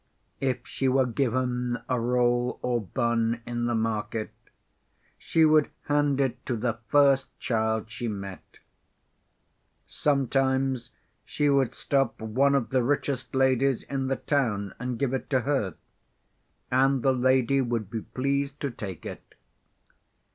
If she were given a roll or bun in the market, she would hand it to the first child she met. Sometimes she would stop one of the richest ladies in the town and give it to her, and the lady would be pleased to take it.